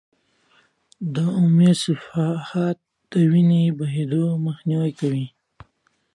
دمویه صفحات د وینې د بهېدو مخنیوی کوي.